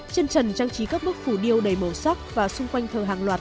chân trần trang trí các bức phủ điêu đầy màu sắc và xung quanh thờ hàng loạt